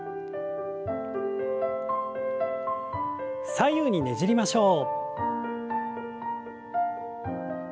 左右にねじりましょう。